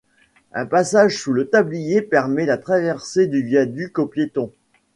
Un passage sous le tablier permet la traversée du viaduc aux piétons.